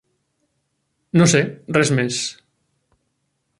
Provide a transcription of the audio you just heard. No sé, res més.